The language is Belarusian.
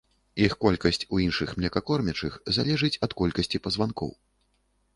Іх колькасць у іншых млекакормячых залежыць ад колькасці пазванкоў.